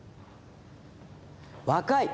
若い！